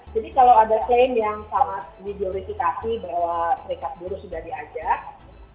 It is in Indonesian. jadi kalau ada klaim yang sangat dijurisikasi bahwa serikat buruh sudah diajak